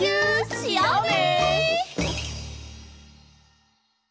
しようね！